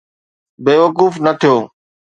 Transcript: بيوقوف نه ٿيو